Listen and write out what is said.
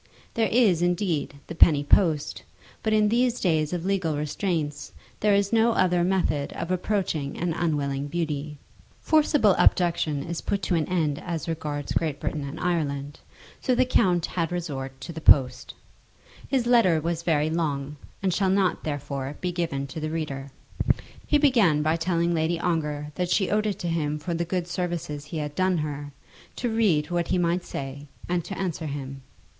There is, indeed, the penny post, but in these days of legal restraints, there is no other method of approaching an unwilling beauty. Forcible abduction is put an end to as regards Great Britain and Ireland. So the count had resort to the post. His letter was very long, and shall not, therefore, be given to the reader. He began by telling Lady Ongar that she owed it to him for the good services he had done her, to read what he might say, and to answer him.